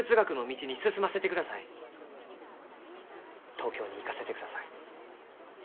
東京に行かせてください。